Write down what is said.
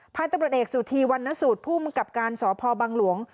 พตเสุธีวันนสูตรผู้บังกับการสพบังหลวง